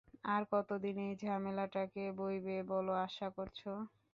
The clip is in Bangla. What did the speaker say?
আর কতদিন এই ঝামেলাটাকে বইবো বলে আশা করছো?